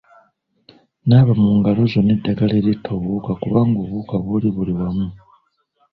Naaba mu ngalo zo n'eddagala eritta obuwuka kubanga obuwuka buli buli wamu.